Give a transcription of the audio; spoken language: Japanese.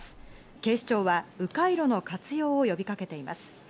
警視庁は迂回路の活用を呼びかけています。